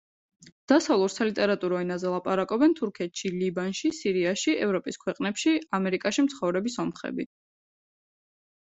დასავლურ სალიტერატურო ენაზე ლაპარაკობენ თურქეთში, ლიბანში, სირიაში, ევროპის ქვეყნებში, ამერიკაში მცხოვრები სომხები.